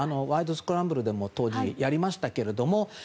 スクランブル」でも当時、やりましたけれども。